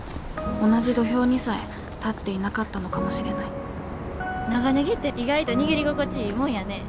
同じ土俵にさえ立っていなかったのかもしれない長ネギって意外と握り心地いいもんやね。